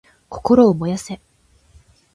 心を燃やせ！